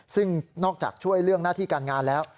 ซึ่งนอกจากช่วยเรื่องหน้าที่การงานแล้ว